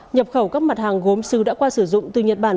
nhập khẩu các mặt hàng gốm xứ đã qua sử dụng từ nhật bản